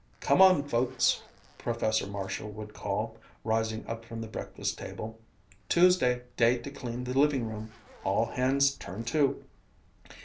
"Come on, folks!" Professor Marshall would call, rising up from the breakfast table, "Tuesday day to clean the living room all hands turn to!"